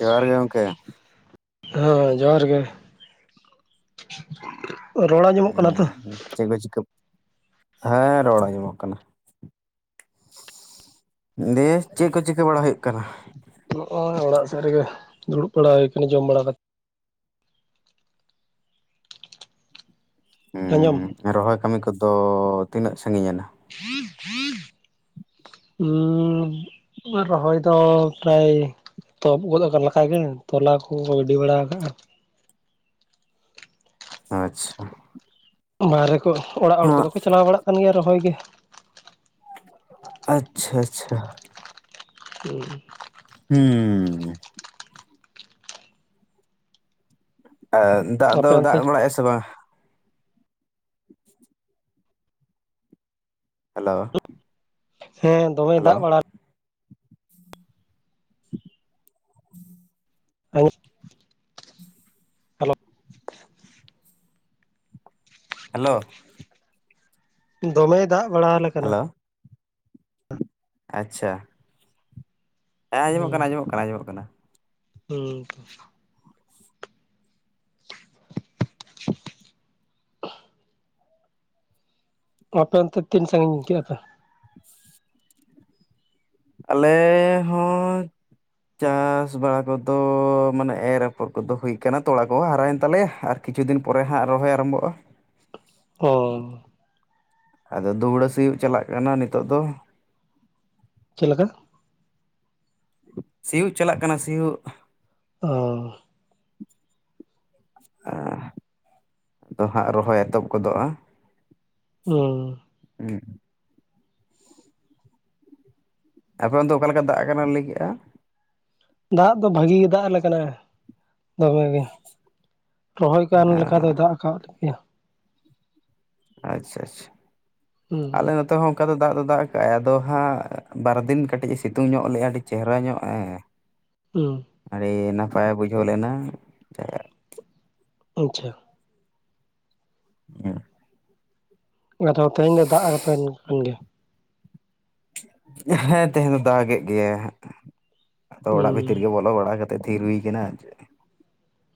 ᱡᱚᱦᱟᱸᱨ ᱜᱮ ᱜᱚᱝᱠᱮ᱾ ᱦᱮᱸ ᱡᱚᱦᱟᱸᱨ ᱜᱮ᱾ ᱨᱚᱲ ᱟᱸᱡᱚᱢᱚᱜ ᱠᱟᱱᱟ ᱛᱚ ᱦᱮᱸ ᱪᱮᱫ ᱯᱮ ᱪᱤᱠᱟᱹ ᱦᱮᱸ ᱨᱚᱲ ᱟᱸᱡᱚᱢᱚᱜ ᱠᱟᱱᱟ᱾ ᱫᱤᱭᱮ ᱪᱮᱫ ᱠᱚ ᱪᱤᱠᱟᱹ ᱵᱟᱲᱟ ᱦᱩᱭᱩᱜ ᱠᱟᱱᱟ? ᱱᱚᱜᱼᱚᱭ ᱚᱲᱟᱜ ᱥᱮᱫ ᱨᱮᱜᱮ ᱫᱩᱲᱩᱵ ᱵᱟᱲᱟ ᱦᱩᱭ ᱟᱠᱟᱱᱟ ᱡᱚᱢ ᱵᱟᱲᱟ ᱠᱟᱛᱮ᱾ ᱟᱸᱡᱚᱢ? ᱦᱩᱸ ᱨᱚᱦᱚᱭ ᱠᱟᱹᱢᱤ ᱠᱚ ᱫᱚ ᱛᱤᱱᱟᱹᱜ ᱥᱟᱺᱜᱤᱧ ᱮᱱᱟ ᱦᱩᱸ ᱦᱩᱸ [unintelligible] ᱦᱩᱸ ᱨᱚᱦᱚᱭ ᱫᱚ ᱯᱨᱟᱭ ᱛᱚ ᱜᱚᱫ ᱟᱠᱟᱫ ᱞᱮᱠᱟ ᱜᱮ ᱛᱚᱞᱟ ᱠᱚ ᱜᱤᱰᱤ ᱵᱟᱲᱟ ᱟᱠᱟᱜ-ᱟ ᱟᱪᱪᱷᱟ ᱵᱟᱦᱨᱮ ᱠᱚ ᱚᱲᱟᱜ ᱦᱚᱲ ᱦᱚᱸ ᱠᱚᱫᱚ ᱠᱚ ᱪᱟᱞᱟᱣ ᱵᱟᱲᱟᱜ ᱠᱟᱱ ᱜᱮᱭᱟ ᱨᱚᱦᱚᱭ ᱜᱮ ᱟᱪᱪᱷᱟ ᱟᱪᱪᱷᱟ ᱦᱩᱸ ᱦᱩᱸ ᱫᱟᱜ ᱫᱚ ᱟᱯᱮ ᱚᱱᱛᱮ ᱫᱟᱜ ᱵᱟᱲᱟᱭᱮᱜ-ᱟ ᱥᱮ ᱵᱟᱝ ᱦᱮᱞᱳ᱾ ᱦᱮᱸ ᱫᱚᱢᱮ ᱦᱮᱞᱳ ᱫᱟᱜ ᱵᱟᱲᱟ [unintelligible] ᱟᱩᱛ ᱦᱮᱞᱳ ᱫᱚᱢᱮᱭ ᱫᱟᱜ ᱵᱟᱲᱟ ᱟᱞᱮ ᱠᱟᱱᱟ ᱦᱮᱞᱳ ᱟᱪᱪᱷᱟ ᱦᱮᱸ ᱟᱸᱡᱚᱢᱚᱜ ᱦᱩᱸ ᱠᱟᱱᱟ ᱟᱸᱡᱚᱢᱚᱜ ᱠᱟᱱᱟ ᱟᱸᱡᱚᱢᱚᱜ ᱠᱟᱱᱟ ᱦᱩᱸ ᱟᱯᱮ ᱚᱱᱛᱮ ᱛᱤᱱ ᱥᱟᱺᱜᱤᱧ ᱠᱮᱜ-ᱟ ᱯᱮ? [unintelligible] ᱟᱞᱮ ᱦᱚᱸ ᱪᱟᱥ ᱵᱟᱲᱟ ᱠᱚ ᱫᱚ ᱢᱟᱱᱮ ᱮᱨ ᱟᱯᱚᱨ ᱠᱚᱫᱚ ᱦᱩᱭ ᱟᱠᱟᱱᱟ ᱛᱚᱲᱟ ᱠᱚᱦᱚᱸ ᱦᱟᱨᱟᱭᱮᱱ ᱛᱟᱞᱮᱭᱟ, ᱟᱨ ᱠᱤᱪᱷᱩ ᱫᱤᱱ ᱯᱚᱨᱮ ᱦᱟᱜ ᱨᱚᱦᱚᱭ ᱟᱨᱟᱢᱵᱷᱚᱜ-ᱟ᱾ ᱚ ᱟᱫᱚ ᱫᱩᱦᱲᱟ ᱥᱤᱭᱳᱜ ᱪᱟᱞᱟᱜ ᱠᱟᱱᱟ ᱱᱤᱛᱚᱜ ᱫᱚ᱾ ᱪᱮᱫ ᱞᱮᱠᱟ? ᱥᱤᱭᱩᱜ ᱪᱟᱞᱟᱜ ᱠᱟᱱᱟ ᱥᱤᱭᱩᱜ᱾ ᱚ ᱟ ᱫᱚᱦᱟᱸᱜ ᱨᱚᱦᱚᱭ ᱮᱛᱚᱵ ᱜᱚᱫᱚᱜ-ᱟ᱾ ᱦᱩᱸ ᱦᱩᱸ ᱟᱯᱮᱱ ᱫᱚ ᱚᱠᱟᱮ ᱞᱮᱠᱟ ᱫᱟᱜ ᱠᱟᱱᱟ ᱞᱟᱹᱭ ᱠᱮᱜ-ᱟ? ᱫᱟᱜ ᱫᱚ ᱵᱷᱟᱹᱜᱤ ᱜᱮ ᱫᱟᱜ ᱟᱞᱮ ᱠᱟᱱᱟ, ᱫᱚᱢᱮ ᱜᱮ ᱨᱚᱦᱚᱭ ᱠᱟᱱ ᱞᱮ ᱠᱟ ᱫᱚᱭ ᱫᱟᱜ ᱟᱠᱟᱫ ᱞᱮᱜᱮᱭᱟ᱾ ᱟᱪᱪᱷᱟ ᱟᱪᱪᱷᱟ ᱦᱩᱸ ᱦᱩᱸ ᱟᱞᱮ ᱱᱚᱛᱮ ᱦᱚᱸ ᱚᱱᱠᱟ ᱫᱚ ᱫᱟᱜ ᱫᱚ ᱫᱟᱜ ᱟᱠᱟᱟᱜ-ᱟᱭ ᱟᱫᱚ ᱦᱟᱸᱜ ᱵᱟᱨᱫᱤᱱ ᱠᱟᱹᱴᱤᱡ-ᱥᱤᱛᱩᱝ ᱧᱚᱜ ᱞᱮᱫᱟᱭ ᱟᱹᱰᱤ ᱪᱮᱦᱨᱟ ᱧᱚᱜ ᱮᱸᱻ [inaudible] ᱦᱩᱸ ᱟᱹᱰᱤ ᱱᱟᱯᱟᱭ ᱵᱩᱡᱷᱟᱹᱣ ᱞᱮᱱᱟ, ᱟᱪᱪᱷᱟ ᱦᱮᱸ ᱟᱫᱚ ᱛᱮᱦᱮᱧ ᱫᱚ ᱫᱟᱜ ᱟᱯᱮᱱ ᱠᱟᱱ ᱜᱮᱭᱟ? ᱦᱮᱸ ᱛᱮᱦᱮᱧ ᱫᱚ ᱫᱟᱜᱮᱫ ᱜᱮᱟᱭ ᱟᱫᱚ ᱚᱲᱟᱜ ᱵᱷᱤᱛᱤᱨ ᱦᱩᱸ ᱜᱮ ᱵᱚᱞᱚ ᱵᱟᱲᱟ ᱠᱟ ᱛᱮᱫ ᱛᱷᱤᱨ ᱦᱩᱭ ᱠᱟᱱᱟ ᱟᱨᱪᱮᱫ᱾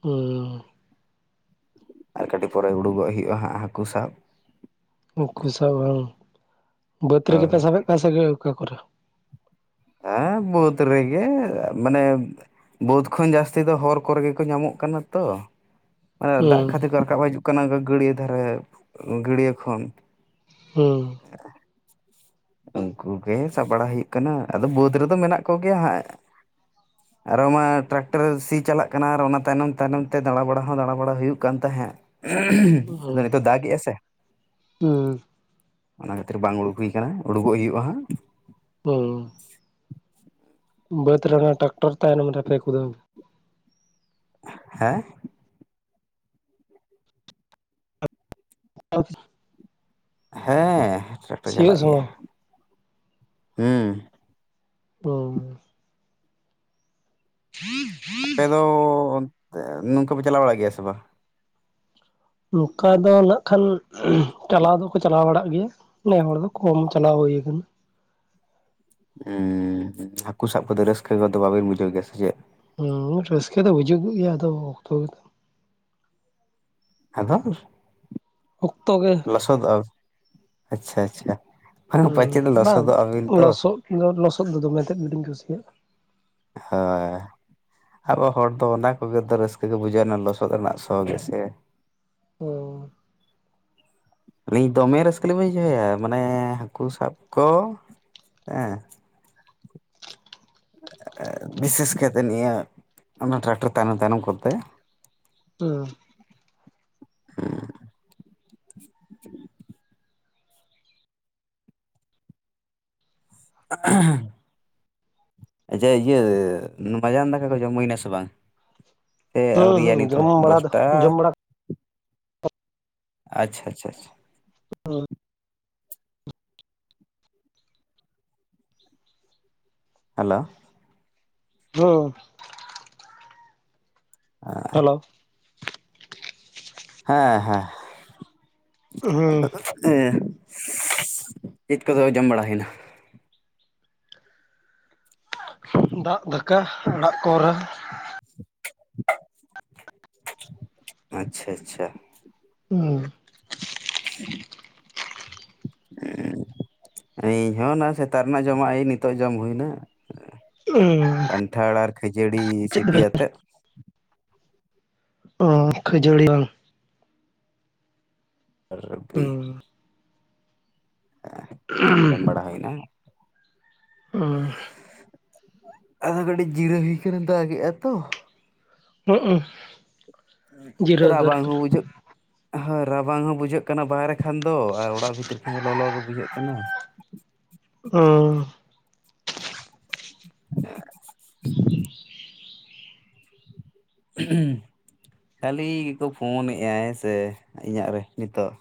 ᱦᱩᱸ ᱟᱨ ᱠᱟᱹᱴᱤᱡ ᱯᱚᱨᱮ ᱩᱰᱩᱚᱜ ᱦᱩᱭᱩᱜ-ᱟ ᱦᱟᱸᱜ ᱦᱟᱹᱠᱩ ᱥᱟᱵ᱾ ᱩᱱᱠᱩ ᱥᱟᱵ ᱵᱟᱝ ᱵᱟᱹᱫᱽ ᱦᱳᱭ ᱨᱮᱜᱮᱯᱮ ᱥᱟᱵᱮᱫ ᱠᱚ ᱥᱮ ᱚᱠᱟ ᱠᱚᱨᱮ? ᱦᱮᱸ ᱵᱟᱹᱛ ᱨᱮ ᱜᱮ ᱢᱟᱱᱮ, ᱵᱟᱹᱫᱷ ᱠᱷᱚᱱ ᱡᱟᱹᱥᱛᱤ ᱫᱚ ᱦᱚᱨ ᱠᱚᱨᱮ ᱜᱮᱠᱚ ᱧᱟᱢᱚᱜ ᱠᱟᱱᱟ ᱛᱚ᱾ ᱢᱟᱱᱮ ᱫᱟᱜ ᱦᱩᱸ ᱠᱷᱟᱹᱛᱤᱨ ᱠᱚ ᱨᱟᱠᱟᱵ ᱦᱤᱡᱩᱜ ᱠᱟᱱᱟ ᱜᱟᱹᱲᱭᱟᱹ ᱫᱷᱟᱨᱮ ᱜᱟᱹᱲᱭᱟᱹ ᱠᱷᱚᱱ᱾ ᱦᱩᱸ ᱩᱱᱠᱩ ᱜᱮ ᱥᱟᱵ ᱵᱟᱲᱟ ᱦᱩᱭᱩᱜ ᱠᱟᱱᱟ ᱟᱫᱚ ᱵᱟᱹᱫᱽ ᱨᱮᱫᱚ ᱢᱮᱱᱟᱜ ᱠᱚᱜᱮᱭᱟ ᱦᱟᱸᱜ᱾ ᱟᱨᱚ ᱢᱟ ᱴᱨᱟᱠᱴᱟᱨ ᱥᱤ ᱪᱟᱞᱟᱜ ᱠᱟᱱᱟ ᱟᱨ ᱚᱱᱟ ᱛᱟᱭᱱᱚᱢ ᱛᱟᱭᱱᱚᱢ ᱛᱮ ᱫᱟᱬᱟ ᱵᱟᱟᱲ ᱦᱚᱸ ᱫᱟᱬᱟ ᱵᱟᱟᱲ ᱦᱩᱭᱩᱜ ᱠᱟᱱ ᱛᱟᱦᱮᱸᱫ᱾ ᱟᱫᱚ ᱦᱩᱸ ᱱᱤᱛᱚᱜ ᱫᱟᱜ ᱮ-ᱟ ᱥᱮ? ᱦᱩᱸ ᱚᱱᱟ ᱠᱷᱟᱹᱛᱤᱨ ᱵᱟᱝ ᱩᱰᱩᱠ ᱦᱩᱭ ᱟᱠᱟᱱᱟ, ᱩᱰᱩᱠᱚᱜ ᱦᱩᱭᱩᱜᱼᱟ ᱦᱟᱸᱜ᱾ ᱦᱩᱸ ᱵᱟᱹᱫᱽ ᱨᱮ ᱴᱨᱟᱠᱴᱚᱨ ᱛᱟᱦᱮᱱᱢᱯᱮ ᱠᱩᱫᱟᱹᱣᱟ? ᱦᱮᱸ [inaudible] ᱦᱮᱸ ᱴᱨᱟᱠᱴᱚᱨ ᱥᱤᱭᱳᱜ ᱪᱟᱞᱟᱜ ᱜᱮᱭᱟ ᱥᱚᱢᱚᱭ ᱦᱮᱸ, ᱦᱩᱸ [inaudible] ᱟᱯᱮ ᱫᱚ ᱱᱚᱝᱠᱟ ᱯᱮ ᱪᱟᱞᱟᱣ ᱵᱟᱲᱟ ᱜᱮᱭᱟ ᱥᱮ ᱵᱟᱝ? ᱱᱚᱝᱠᱟ ᱫᱚ ᱱᱟᱜ ᱠᱷᱟᱱ ᱪᱟᱞᱟᱣ ᱫᱚᱠᱚ ᱪᱟᱞᱟᱣ ᱵᱟᱲᱟᱜ ᱜᱮᱭᱟ᱾ ᱱᱮ ᱦᱚᱲ ᱫᱚ ᱠᱚᱢ ᱪᱞᱟᱣ ᱦᱩᱭ ᱠᱟᱱᱟ᱾ ᱩᱸᱻ ᱦᱟᱠᱩ ᱥᱟᱵ ᱠᱚᱫᱚ ᱨᱟᱹᱥᱠᱟᱹ ᱫᱚ ᱵᱟᱵᱟᱹᱤᱱ ᱵᱩᱡᱷᱟᱹᱣ ᱜᱮᱭᱟ ᱥᱮ ᱪᱮᱫ? ᱦᱩᱸ ᱨᱟᱹᱥᱠᱟᱹ ᱫᱚ ᱦᱤᱡᱩᱜ ᱜᱮᱭᱟ ᱟᱫᱚ ᱚᱠᱛᱚ ᱟᱫᱚ ᱚᱠᱛᱚ ᱜᱮ ᱞᱚᱥᱚᱫᱚᱜᱼᱟ ᱟᱪᱷᱟ ᱟᱪᱷᱟ ᱵᱟᱝ ᱯᱟᱪᱮᱫ ᱞᱚᱥᱚᱫᱚᱜᱼᱟᱵᱤᱱ ᱛᱚ ᱤᱧ ᱫᱚ ᱞᱚᱥᱚᱫ ᱫᱚᱢᱮ ᱛᱮᱫ ᱟᱹᱰᱤᱧ ᱠᱩᱥᱤᱭᱟᱜᱼᱟ ᱾ ᱦᱚᱭ ᱾ ᱟᱵᱚ ᱦᱚᱲ ᱫᱚ ᱚᱱᱟ ᱠᱚᱜᱮ ᱫᱚ ᱨᱟᱹᱥᱠᱟᱹ ᱵᱩᱡᱷᱟᱹᱣ ᱚᱱᱟ ᱞᱚᱥᱚᱫ ᱨᱮᱱᱟᱜ ᱥᱚ ᱜᱮᱥᱮ᱾ ᱚ ᱻ ᱾ ᱟᱹᱞᱤᱧ ᱫᱚᱢᱮ ᱨᱟᱹᱥᱠᱟᱹᱞᱤᱤᱧ ᱵᱩᱡᱷᱟᱹᱣᱭᱟ ᱢᱟᱱᱮ ᱦᱟᱹᱠᱩ ᱥᱟᱵ ᱠᱚ᱾ ᱦᱮᱸ ᱻ᱾ ᱵᱤᱥᱮᱥ ᱠᱟᱭ ᱠᱟᱛᱮ ᱱᱤᱭᱟᱹ ᱚᱱᱟ ᱴᱨᱟᱠᱴᱟᱨ ᱛᱟᱭᱱᱚᱢ ᱛᱟᱭᱱᱚᱢ ᱠᱚᱛᱮ᱾ ᱦᱩᱸ ᱻ᱾ [inaudible] [inaudible] ᱟᱪᱪᱷᱟ ᱤᱭᱟᱹ ᱢᱟᱡᱟᱱ ᱫᱟᱠᱟ ᱠᱚ ᱡᱚᱢ ᱦᱩᱭᱱᱟ ᱥᱮ ᱵᱟᱝ? ᱥᱮ ᱦᱩᱸ ᱟᱣᱨᱤᱭᱟ ᱦᱩᱸ ᱱᱤᱛ ᱦᱚ ᱡᱚᱢ ᱵᱟᱲᱟ ᱫᱚ ᱫᱚᱥᱴᱟ ᱡᱚᱢ ᱵᱟᱲᱟ ᱟᱪᱷᱟ ᱟᱪᱷᱟ ᱟᱪᱷᱟ ᱾ ᱦᱳ [unintelligible] ᱦᱮᱞᱳ ᱾ ᱦᱸ ᱾ ᱦᱮᱞᱳ ᱾ ᱦᱮᱸ ᱦᱮᱸ ᱦᱩᱸ ᱾ ᱪᱮᱫ ᱠᱚᱫᱚ ᱡᱚᱢ ᱵᱟᱲᱟ ᱦᱩᱭᱱᱟ? ᱫᱟᱜ ᱫᱟᱠᱟ ᱟᱲᱟᱜ ᱠᱚᱨᱮ᱾ ᱟᱪᱷᱟ ᱟᱪᱷᱟ ᱾ ᱚᱸᱻ ᱾ [unintelligible] ᱤᱧ ᱦᱚᱸ ᱚᱱᱟ ᱥᱮᱛᱟ ᱨᱮᱱᱟᱜ ᱡᱚᱢᱟᱜ ᱟᱭ ᱱᱤᱛᱚᱜ ᱡᱚᱢ ᱦᱩᱭᱱᱟ᱾ ᱚ ᱸᱻ ᱾ ᱯᱟᱴᱷᱟᱲ [unintelligible] ᱟᱨ ᱠᱷᱟᱡᱟᱹᱲᱤ ᱥᱤᱯᱤᱭᱟᱛᱮᱫ ᱚ ᱠᱷᱟᱹᱡᱟᱹᱲᱤ ᱵᱟᱝ [unintelligible] ᱟᱨ ᱨᱽᱵᱤ ᱦᱩᱸ [unintelligible] ᱡᱚᱢ ᱵᱟᱲᱟ ᱦᱩᱭᱱᱟ [inaudible] ᱚ [unintelligible] ᱟᱫᱚ ᱠᱟᱹᱴᱤᱡ ᱡᱤᱨᱟᱹ ᱦᱩᱭ ᱠᱟᱱᱟ ᱫᱟᱜ ᱮᱼᱟ ᱛᱚ ᱩ ᱩ [inaudible] ᱨᱟᱵᱟᱝ ᱦᱚᱸ ᱵᱩᱡᱷᱟᱹᱜ ᱦᱮ ᱨᱟᱵᱟᱝ ᱦᱚᱸ ᱵᱩᱡᱷᱟᱹᱜ ᱦᱩᱭᱩᱜ ᱠᱟᱱᱟ ᱵᱟᱦᱨᱮ ᱠᱷᱟᱱ ᱫᱚ ᱟᱨ ᱚᱲᱟᱜ ᱵᱷᱤᱛᱤᱨ ᱠᱷᱟᱱ ᱫᱚ ᱞᱚᱞᱚ ᱜᱮ ᱵᱩᱡᱷᱟᱹᱜ ᱠᱟᱱᱟ ᱚᱸ ᱻ᱾ [unintelligible] ᱠᱷᱟᱹᱞᱤ ᱜᱮᱠᱚ ᱯᱷᱳᱱᱮᱫᱟᱭ ᱦᱮᱸ ᱥᱮᱮ ᱤᱧᱟᱹᱜ ᱨᱮ ᱱᱤᱛᱳᱜ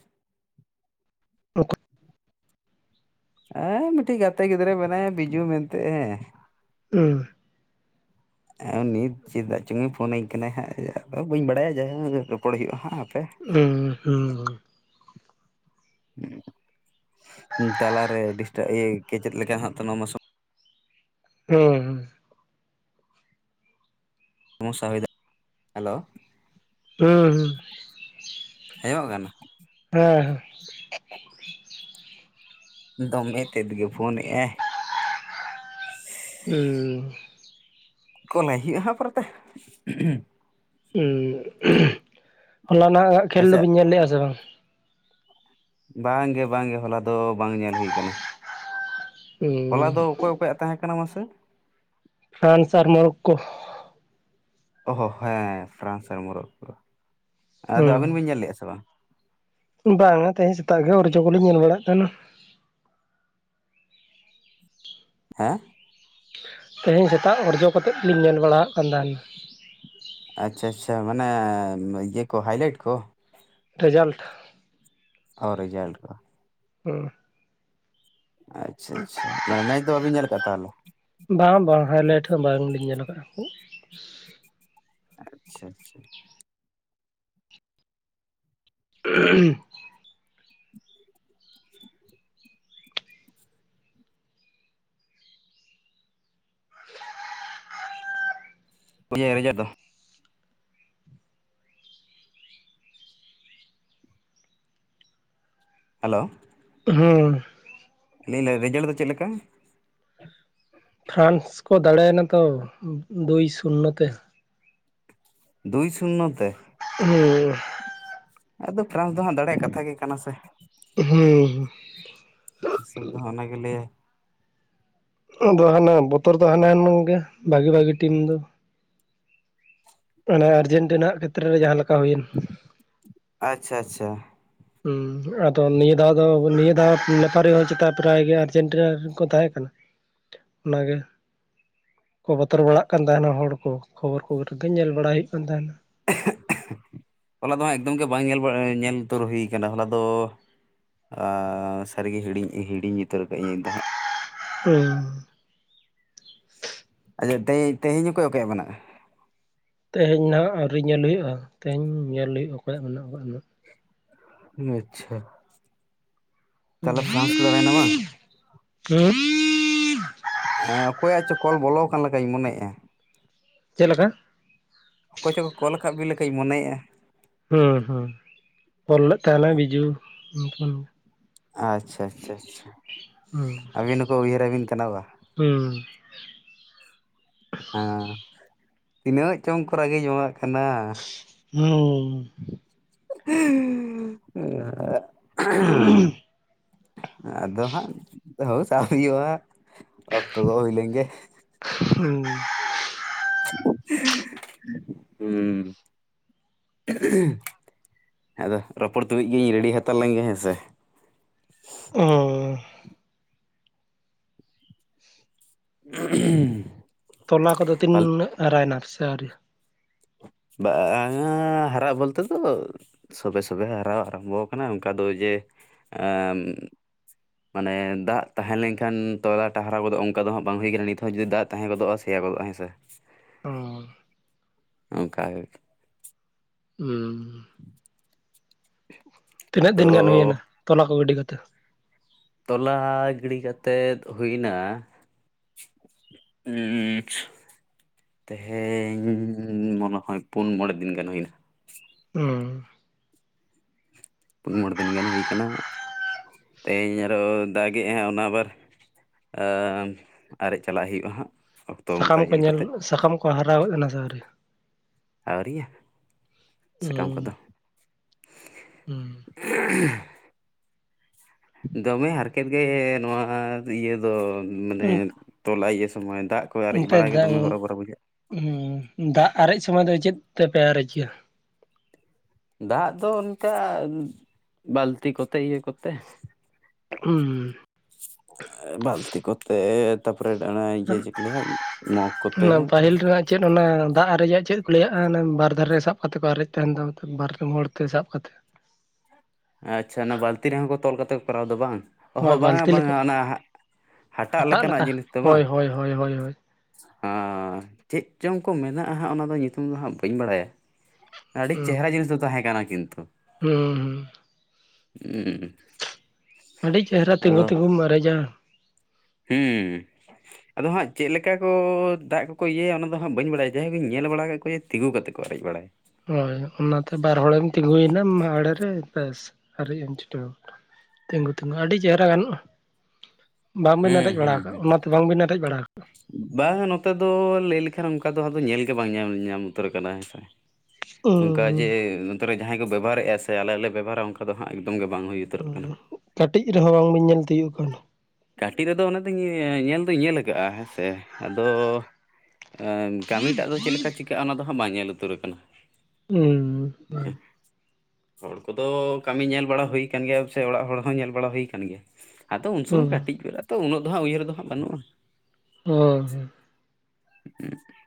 ᱚᱠᱚ ᱦᱮᱸ ᱢᱤᱫᱴᱤᱡ ᱜᱟᱛᱮ ᱜᱤᱫᱽᱨᱟᱹᱭ ᱢᱮᱱᱟᱭᱟ ᱵᱤᱡᱩ ᱢᱮᱱᱛᱮ ᱦᱮᱸ ᱦᱮᱸ ᱻ᱾ ᱟᱨ ᱩᱱᱤᱤᱛ ᱪᱮᱫᱟᱜ ᱪᱚᱝᱮ ᱯᱷᱳᱱᱟᱹᱧ ᱠᱟᱱᱟᱭ ᱦᱟᱸᱜ ᱟᱫᱚ ᱵᱟᱹᱧ ᱵᱟᱲᱟᱭᱟ ᱡᱟᱭ ᱨᱚᱯᱚᱲ ᱦᱩᱭᱩᱜᱼᱟ ᱦᱟᱸᱜ ᱟᱯᱮ [unintelligible] ᱩ ᱦᱩᱸ [unintelligible] ᱦᱮᱸ [unintelligible] ᱛᱟᱞᱟᱨᱮᱴ ᱪᱮᱫ ᱞᱮᱠᱟ ᱦ ᱱᱚᱣᱟ [inaudible] ᱦᱮᱸ ᱦᱮᱸ [inaudible] ᱚᱥᱥᱟ ᱦᱩᱭ ᱦᱮᱞᱳ [unintelligible] ᱦᱩᱸ ᱦᱮᱸ ᱦᱚᱸᱜ ᱠᱟᱱᱟ᱾ ᱦᱟᱸᱦᱟ ᱫᱚᱢᱮ ᱛᱮᱫ ᱜᱮ ᱯᱷᱳᱱᱮᱫᱼᱟᱭ ᱩᱸᱢ ᱯᱷᱚᱱᱟᱭ ᱦᱩᱭᱩᱜ ᱟ ᱦᱟᱸᱜ ᱯᱚᱨᱮᱛᱮ ᱦᱚᱞᱟ ᱱᱚᱸᱜ ᱠᱷᱮᱞ ᱟᱪᱪᱷᱟ ᱫᱚᱵᱤᱱ ᱧᱮᱞ ᱞᱮᱜᱼᱟ ᱥᱮ ᱵᱟᱝ ᱵᱟᱝᱜᱮ ᱵᱟᱝᱜᱮ ᱦᱚᱞᱟ ᱫᱚ ᱵᱟᱝ ᱧᱮᱞ ᱦᱩᱭᱠᱟᱱᱟ ᱾ ᱦᱚᱞᱟ ᱫᱚ ᱚᱠᱚᱭ ᱚᱠᱚᱭᱟᱜ ᱛᱟᱦᱮᱸ ᱠᱟᱱᱟ ᱢᱟᱥᱮ ᱦᱟᱱ ᱥᱟᱨ ᱢᱚᱨᱠᱚ ᱚᱦ ᱦᱮᱸ ᱯᱷᱨᱟᱱᱥ ᱟᱨ ᱢᱩᱨᱚᱠᱚᱠᱚ ᱟᱫᱚ ᱟᱵᱤᱱ ᱵᱤᱱ ᱧᱮᱞ ᱞᱮᱼᱟ ᱥᱮ ᱵᱟᱝ? ᱵᱟᱝᱼᱟ ᱛᱮᱦᱮᱧ ᱥᱮᱛᱟᱜ ᱜᱮ ᱚᱨᱡᱚ ᱠᱚᱞᱤᱧ ᱧᱮᱞ ᱵᱟᱲᱟᱭᱮᱫ ᱛᱟᱦᱮᱱᱟ᱾ ᱦᱮᱸ ᱛᱮᱦᱮᱧ ᱥᱮᱛᱟᱜ ᱚᱨᱡᱚ ᱠᱟᱛᱮᱫᱞᱤᱧ ᱧᱮᱞ ᱵᱟᱲᱟᱣᱮᱫ ᱠᱟᱱ ᱛᱟᱦᱮᱱᱟ ᱾ ᱟᱪᱪᱷᱟ ᱟᱪᱪᱷᱟ ᱢᱟᱱᱮ ᱤᱭᱟᱹ ᱠᱚ ᱦᱟᱭᱞᱟᱭᱤᱴ ᱠᱚ ᱾ ᱨᱮᱡᱟᱞᱴ ᱾ ᱚ ᱨᱤᱡᱟᱞᱴ ᱠᱚ ᱦᱩᱸ ᱟᱪᱪᱷᱟ ᱟᱪᱪᱷᱟ ᱢᱟᱱᱮ ᱢᱮᱪ ᱫᱚ ᱵᱟᱵᱤᱱ ᱧᱮᱞ ᱟᱠᱟᱫ ᱛᱟᱦᱞᱮ ᱾ ᱵᱟᱝ ᱵᱟᱝ ᱦᱟᱭᱞᱟᱭᱤᱴ ᱦᱚᱸ ᱵᱟᱝᱞᱤᱧ ᱧᱮᱞ ᱟᱠᱟᱫᱼᱟ ᱾ ᱟᱪᱪᱷᱟ ᱟᱪᱪᱷᱟ [unintelligible] [unintelligible] [unintelligible] ᱫᱚ ᱦᱮᱞᱳ ᱦᱩ ᱞᱟᱹᱭ ᱟᱞᱤᱧ ᱨᱮᱡᱟᱞᱴ ᱫᱚ ᱪᱮᱫ ᱞᱮᱠᱟ? ᱯᱷᱨᱟᱱᱥ ᱠᱚ ᱫᱟᱲᱮᱭᱱᱟ ᱛᱚ ᱫᱩᱭ ᱥᱩᱭᱱᱚ ᱛᱮ ᱫᱩᱭ ᱥᱩᱱᱱᱚ ᱛᱮ [unintelligible] ᱟᱫᱚ ᱯᱷᱨᱟᱱᱥ ᱫᱚᱦᱟᱸᱜ ᱫᱟᱲᱮ ᱠᱟᱛᱷᱟ ᱜᱮ ᱠᱟᱱᱟ ᱥᱮ ᱦᱩᱸ ᱦᱩ ᱦᱤᱥᱟᱹᱵᱽ ᱫᱚᱦ ᱚᱱᱟᱜᱮ ᱞᱟᱹᱭᱼᱟᱭ ᱟᱫᱚ ᱦᱟᱱᱟ ᱵᱚᱛᱚᱨ ᱫᱚ ᱦᱟᱱᱟᱮᱱ ᱜᱮ ᱵᱷᱟᱹᱜᱤ-ᱵᱷᱟᱹᱜᱤ ᱴᱤᱢ ᱫᱚ ᱚᱱᱟ ᱟᱨᱡᱮᱱᱴᱤᱱᱟ ᱠᱷᱮᱛᱨᱮ ᱨᱮ ᱡᱟᱦᱟᱸ ᱞᱮᱠᱟ ᱦᱩᱭᱮᱱ ᱟᱪᱷᱟ-ᱟᱪᱷᱟ ᱩᱱ ᱟᱫᱚ ᱱᱤᱭᱟᱹ ᱫᱷᱟᱣ ᱫᱚ ᱱᱤᱭᱟᱹ ᱫᱷᱟᱣ ᱱᱮᱯᱟᱨᱤ ᱦᱚᱸ ᱪᱮᱛᱟ ᱯᱨᱟᱭ ᱜᱮ ᱟᱨᱡᱮᱱᱴᱤᱱᱟ ᱠᱚ ᱛᱟᱦᱮᱸ ᱠᱟᱱᱟ [inaudible] ᱚᱱᱟ ᱜᱮ᱾ ᱠᱚ ᱵᱚᱛᱚᱨ ᱵᱟᱲᱟᱜ ᱠᱟᱱ ᱛᱟᱦᱮᱱᱟ ᱦᱚᱲ ᱠᱚ ᱠᱷᱚᱵᱚᱨ ᱠᱚ ᱨᱮᱫᱚ ᱧᱮᱞ ᱵᱟᱲᱟ ᱦᱩᱭᱩᱜ ᱠᱟᱱ ᱛᱟᱦᱮᱱᱟ᱾ ᱦᱚᱞᱟ ᱫᱚ ᱮᱠᱫᱚᱢ ᱜᱮ ᱵᱟᱝ ᱧᱮᱞ ᱵᱟᱝ ᱧᱮᱞ ᱩᱛᱟᱹᱨ ᱦᱩᱭ ᱠᱟᱱᱟ ᱦᱚᱞᱟ ᱫᱚ ᱟᱻᱥᱟᱹᱨᱤ ᱜᱮ ᱦᱤᱲᱤᱧ ᱦᱤᱲᱤᱧ ᱩᱛᱟᱹᱨ ᱠᱟᱜ ᱤᱧ ᱫᱚ ᱦᱟᱸᱜ ᱦᱩᱸ ᱟᱪᱷᱟ ᱛᱮᱦᱮᱧ-ᱛᱮᱦᱮᱧ ᱚᱠᱚᱭ ᱚᱠᱚᱭᱟᱜ ᱢᱮᱱᱟᱜ-ᱟ? ᱛᱮᱦᱮᱧ ᱱᱟᱸᱦᱟᱜ ᱟᱹᱣᱨᱤ ᱧᱮᱞ ᱦᱩᱭᱩᱜ-ᱟ ᱛᱮᱦᱮᱧ ᱧᱮᱞ ᱦᱩᱭᱩᱜ-ᱟ ᱚᱠᱚᱭᱟᱜ ᱢᱮᱱᱟᱜ-ᱟ ᱟᱪᱪᱷᱟ ᱛᱟᱦᱚᱞᱮ ᱯᱷᱨᱟᱱᱥ ᱠᱚ ᱫᱟᱲᱮᱭᱮᱱᱟ ᱵᱟᱝ᱾ ᱦᱩᱸ [unintelligible] ᱦᱮᱸ ᱚᱠᱚᱭᱟᱜ ᱪᱚ ᱠᱚᱞ ᱵᱚᱞᱚ ᱟᱠᱟᱱ ᱞᱮᱠᱟᱧ ᱢᱚᱱᱮᱭᱮᱜ-ᱟ᱾ ᱪᱮᱫ ᱞᱮᱠᱟ? ᱚᱠᱚᱭ ᱪᱚᱠᱚ ᱠᱚᱞ ᱟᱠᱟᱫ ᱵᱤᱱ ᱞᱮᱠᱟᱧ ᱢᱚᱱᱮᱭᱮᱜ-ᱟ᱾ ᱚᱸᱦᱩᱸ ᱚᱞ ᱞᱮᱫ ᱛᱟᱦᱮᱱᱟᱭ ᱵᱤᱡᱩ ᱟᱪᱪᱷᱟ ᱟᱪᱪᱷᱟ ᱟᱪᱷᱟ ᱦᱩᱸ᱾ ᱟᱹᱵᱤᱱ ᱦᱚᱸᱠᱚ ᱩᱭᱦᱟᱹᱨ ᱟᱵᱤᱱ ᱠᱟᱱᱟ ᱵᱟ᱾ ᱦᱩᱸᱻ ᱟᱺ ᱛᱤᱱᱟᱹᱜ ᱪᱚᱝ ᱠᱚ ᱨᱟᱹᱜᱤ ᱡᱚᱝᱟᱜ ᱠᱟᱱᱟ ᱚᱻ [unintelligible] ᱟᱫᱚ ᱫᱚ ᱦᱟᱜ ᱥᱟᱵ ᱦᱩᱭᱩᱜ-ᱟ ᱚᱠᱛᱚ ᱠᱚ ᱦᱩᱭ ᱞᱮᱱ ᱜᱮ ᱾ ᱦᱩᱸ᱾ ᱦᱩᱸ᱾ ᱟᱫᱚ ᱨᱚᱯᱚᱲ ᱛᱩᱞᱩᱡ ᱜᱤᱧ ᱨᱮᱰᱤ ᱦᱟᱛᱟᱲ ᱞᱮᱱᱜᱮ ᱦᱮᱸ ᱥᱮ ᱚᱻ [inaudible] ᱛᱚᱞᱟ ᱠᱚᱫᱚ ᱯᱟᱞ ᱛᱤᱱᱟᱹᱜ ᱦᱟᱨᱟᱭᱮᱱᱟ ᱥᱮ ᱟᱣᱨᱤ? ᱵᱟᱝᱟ ᱦᱟᱨᱟᱜ ᱵᱚᱞᱛᱮ ᱫᱚ ᱥᱚᱵᱮ ᱥᱚᱵᱮ ᱦᱟᱨᱟ ᱟᱨᱟᱢᱵᱷᱚ ᱠᱟᱱᱟ ᱚᱱᱠᱟ ᱫᱚ ᱡᱮ ᱢᱟᱱᱮ ᱫᱟᱜ ᱛᱟᱦᱮᱸ ᱞᱮᱱᱠᱷᱟᱱ ᱛᱚᱞᱟ ᱴᱟᱜ ᱦᱟᱨᱟ ᱜᱚᱫᱚᱜ-ᱟ ᱚᱱᱠᱟ ᱫᱚ ᱦᱟᱸᱜ ᱵᱟᱝ ᱦᱩᱭ ᱠᱟᱱᱟ ᱱᱤᱛ ᱦᱚᱸ ᱡᱩᱫᱤ ᱫᱟᱜ ᱛᱟᱦᱮᱸ ᱜᱚᱫᱚᱜ-ᱟ ᱥᱮᱭᱟ ᱜᱚᱫᱚᱜ-ᱟ ᱦᱮᱸ ᱥᱮ᱾ ᱚᱻ ᱚᱱᱠᱟ ᱜᱮ ᱾ ᱩᱸᱻ ᱛᱤᱱᱟᱹᱜ ᱛᱚ ᱫᱤᱱ ᱜᱟᱱ ᱦᱩᱭᱮᱱᱟ ᱛᱚᱞᱟ ᱠᱚ ᱜᱤᱰᱤ ᱠᱟᱛᱮ? ᱛᱚᱞᱟ ᱜᱤᱰᱤ ᱠᱟᱛᱮᱫ ᱦᱩᱭᱮᱱᱟ ᱦᱩᱸᱻᱪᱚ᱾ ᱛᱮᱦᱮᱧ ᱢᱚᱱᱮ ᱦᱚᱭ ᱯᱩᱱ ᱢᱚᱬᱮ ᱫᱤᱱ ᱜᱟᱱ ᱦᱩᱭᱮᱱᱟ ᱩᱸᱻ ᱯᱩᱱ ᱢᱚᱬᱮ ᱫᱤᱱ ᱜᱟᱱ ᱦᱩᱭ ᱠᱟᱱᱟ ᱛᱮᱦᱤᱧ ᱟᱨᱦᱚᱸᱭ ᱫᱟᱜᱮᱫᱼᱟ ᱚᱱᱟ ᱟᱵᱟᱨ ᱟᱻ ᱟᱨᱮᱡ ᱪᱟᱞᱟᱜ ᱦᱩᱭᱩᱜᱼᱟ ᱦᱟᱸᱜ ᱚᱠᱛᱚ ᱚᱱᱠᱟ ᱥᱟᱠᱟᱢ ᱠᱚ ᱧᱮᱞ ᱠᱟᱛᱮᱫ ᱥᱟᱠᱟᱢ ᱠᱚ ᱦᱟᱨᱟ ᱜᱚᱫ ᱮᱱᱟ ᱥᱮ ᱟᱹᱣᱨᱤᱭᱟ? ᱟᱹᱣᱨᱤᱭᱟᱹ ᱥᱟᱠᱟᱢ ᱦᱩᱸ ᱠᱚᱫᱚ ᱦᱩᱸ ᱫᱚᱢᱮ ᱦᱟᱨᱠᱮᱛ ᱜᱮ ᱱᱚᱣᱟ ᱤᱭᱟᱹ ᱫᱚ ᱢᱟᱱᱮ ᱛᱚᱞᱟ ᱤᱭᱟᱹ ᱥᱚᱢᱚᱭ ᱫᱟᱜ ᱠᱚ ᱟᱨᱮᱡ ᱚᱱᱛᱮ ᱵᱟᱲᱟ ᱜᱮ ᱫᱟᱜ ᱫᱚᱢᱮ ᱦᱚᱨᱚᱵᱚᱨᱚ ᱵᱩᱡᱷᱟᱹᱜᱼᱟ [unintelligible] ᱫᱟᱜ ᱟᱨᱮᱡ ᱥᱚᱢᱚᱭ ᱫᱚ ᱪᱮᱫ ᱛᱮᱯᱮ ᱟᱨᱮᱡ ᱜᱮᱭᱟ? ᱫᱟᱜ ᱫᱚ ᱚᱱᱠᱟ ᱵᱟᱹᱞᱛᱤ ᱠᱚᱛᱮ ᱤᱭᱟᱹ ᱠᱚᱛᱮ ᱾ ᱦᱩᱸᱻ ᱵᱟ. ᱞᱛᱤ ᱠᱚᱛᱮᱫ ᱛᱟᱯᱚᱨᱮ ᱚᱱᱟ ᱤᱭᱟᱹ ᱪᱮᱫ ᱠᱚ ᱞᱟᱹᱭᱟ ᱢᱚᱜᱽ ᱠᱚᱛᱮ ᱚᱱᱟ ᱯᱟᱹᱦᱤᱞ ᱨᱮᱱᱟᱜ ᱪᱮᱫ ᱚᱱᱟ ᱫᱟᱜ ᱟᱨᱮᱡᱟᱜ ᱪᱮᱫ ᱠᱚ ᱞᱟᱹᱭᱟᱜᱼᱟ ᱚᱱᱟ ᱵᱟᱨ ᱫᱷᱟᱨᱮ ᱨᱮ ᱥᱟᱵ ᱠᱟᱛᱮ ᱠᱚ ᱟᱨᱮᱡ ᱛᱟᱦᱮᱱ ᱫᱚ ᱵᱟᱨ ᱦᱚᱲ ᱛᱮ ᱥᱟᱵ ᱠᱟᱛᱮ᱾ ᱟᱪᱪᱷᱟ ᱚᱱᱟ ᱵᱟᱹᱞᱛᱤ ᱨᱮᱦᱚᱸ ᱠᱚ ᱛᱚᱞ ᱠᱟᱛᱮ ᱠᱚ ᱠᱚᱨᱟᱣ ᱫᱚ ᱵᱟᱝ? ᱚ ᱦᱳᱭ ᱦᱚᱸ ᱵᱟᱝᱟ ᱵᱟᱹᱞᱛᱤ ᱞᱮᱠᱟ ᱵᱟᱝᱟ ᱚᱱᱟ ᱦᱟᱴᱟᱜ ᱞᱮᱠᱟᱱᱟᱜ ᱞᱮᱠᱟ ᱡᱤᱱᱤᱥ ᱛᱮ ᱵᱟᱝ? ᱦᱳᱭ ᱦᱳᱭ ᱦᱳᱭ ᱦᱳᱭ ᱦᱳᱭ ᱦᱮ ᱪᱮᱫ ᱪᱚᱝ ᱠᱚ ᱢᱮᱱᱟᱜᱼᱟ ᱦᱟᱸᱜ ᱚᱱᱟ ᱫᱚ ᱧᱩᱛᱩᱢ ᱫᱚ ᱦᱟᱸᱜ ᱵᱟᱹᱧ ᱵᱟᱲᱟᱭᱟ ᱾ ᱟᱹᱰᱤ ᱦᱩᱸ ᱪᱮᱦᱮᱨᱟ ᱡᱤᱱᱤᱥ ᱫᱚ ᱛᱟᱦᱮᱸ ᱠᱟᱱᱟ ᱠᱤᱱᱛᱩ ᱾ ᱦᱩᱸ ᱦᱩᱸ ᱩᱸᱻ ᱟᱹᱰᱤ ᱪᱮᱦᱨᱟ ᱛᱤᱸᱜᱩ ᱛᱤᱸᱜᱩᱢ ᱟᱨᱮᱡᱟ ᱾ ᱦᱩᱸᱻ ᱟᱫᱚ ᱦᱟᱸᱜ ᱪᱮᱫ ᱞᱮᱠᱟ ᱠᱚ ᱫᱟᱜ ᱠᱚᱠᱚ ᱤᱭᱟᱹᱭᱟ ᱚᱱᱟ ᱫᱚ ᱦᱟᱸᱜ ᱵᱟᱹᱧ ᱵᱟᱲᱟᱭᱟ ᱡᱟᱦᱟᱸᱭ ᱠᱚᱧ ᱧᱮᱞ ᱵᱟᱲᱟ ᱟᱠᱟᱫ ᱠᱚᱣᱟ ᱛᱤᱸᱜᱩ ᱠᱟᱛᱮᱫ ᱠᱚ ᱟᱨᱮᱡ ᱵᱟᱲᱟ ᱦᱳᱭ ᱚᱱᱟᱛᱮ ᱵᱟᱨ ᱦᱚᱲᱮᱢ ᱛᱤᱸᱜᱩᱭᱮᱱᱟ ᱟᱲᱮᱨᱮ ᱵᱮᱥ ᱟᱨᱮᱡ ᱮᱢ ᱪᱷᱩᱴᱟᱹᱣ ᱱᱟ ᱛᱤᱸᱜᱩ ᱛᱤᱸᱜᱩ ᱟᱹᱰᱤ ᱪᱮᱦᱨᱟ ᱜᱟᱱᱚᱜᱼᱟ ᱾ ᱵᱟᱝᱵᱤᱱ ᱦᱩᱸ ᱟᱨᱮᱡ ᱵᱟᱲᱟ ᱦᱩᱸ ᱟᱠᱟᱜᱼᱟ ᱦᱩᱸ ᱚᱱᱟᱛᱮ ᱵᱟᱝᱵᱤᱱ ᱟᱨᱮᱡ ᱵᱟᱲᱟ ᱟᱠᱟᱜᱼᱟ? ᱵᱟᱝ ᱱᱚᱛᱮ ᱫᱚ ᱞᱟᱹᱭ ᱞᱮᱠᱷᱟᱱ ᱚᱱᱠᱟ ᱫᱚ ᱧᱮᱞ ᱜᱮ ᱵᱟᱝ ᱧᱮᱞ ᱧᱟᱢ ᱩᱛᱟᱹᱨ ᱠᱟᱱᱟ ᱦᱮᱸᱥᱮ᱾ ᱚᱱᱠᱟ ᱡᱮ ᱱᱚᱛᱮᱨᱮ ᱡᱟᱦᱟᱸᱭ ᱠᱚ ᱵᱮᱵᱚᱦᱟᱨᱮᱫᱼᱟ ᱥᱮ ᱟᱞᱮ ᱞᱮ ᱵᱮᱵᱚᱦᱟᱨᱟ ᱚᱱᱠᱟ ᱫᱚ ᱦᱟᱸᱜ ᱮᱠᱫᱚᱢ ᱜᱮ ᱵᱟᱝ ᱦᱩᱭ ᱩᱛᱟᱹᱨᱚᱜ ᱠᱟᱱᱟ ᱠᱟᱹᱴᱤᱡ ᱨᱮᱦᱚᱸ ᱵᱟᱝ ᱵᱤᱱ ᱧᱮᱞ ᱛᱤᱭᱳᱜ ᱠᱟᱣᱱᱟ? ᱠᱟᱹᱴᱤᱡ ᱨᱮᱫᱚ ᱤᱭᱟ. ᱚᱱᱟ ᱫᱚᱧ ᱧᱮᱞ ᱫᱩᱧ ᱧᱮᱞ ᱟᱠᱟᱜᱼᱟ ᱦᱮᱸ ᱥᱮ᱾ ᱟᱫᱚ ᱠᱟᱹᱢᱤᱴᱟᱜ ᱫᱚ ᱪᱮᱫ ᱞᱮᱠᱟ ᱪᱤᱠᱟᱹᱜᱼᱟ ᱚᱱᱟ ᱫᱚ ᱦᱟᱸᱜ ᱵᱟᱝ ᱧᱮᱞ ᱩᱛᱟᱹᱨ ᱠᱟᱱᱟ ᱦᱮᱸ [unintelligible] ᱦᱚᱲ ᱠᱚᱫᱚ ᱠᱟᱹᱢᱤ ᱧᱮᱞ ᱵᱟᱲᱟ ᱦᱩᱭ ᱠᱟᱱ ᱜᱮᱭᱟ ᱥᱮ ᱚᱲᱟᱜ ᱦᱚᱲ ᱦᱚᱸ ᱧᱮᱞ ᱵᱟᱲᱟ ᱦᱩᱭ ᱠᱟᱱ ᱜᱮᱭᱟ ᱟᱫᱚ ᱩᱱ ᱥᱩᱢᱚᱭ ᱠᱟ ᱛᱚ ᱩᱱᱟᱹᱜ ᱫᱚ ᱦᱟᱸᱜ ᱩᱭᱦᱟᱹᱨ ᱫᱚ ᱦᱟᱸᱜ ᱵᱟᱹᱱᱩᱜᱼᱟ ᱚ ᱦᱚᱭ [unintelligible]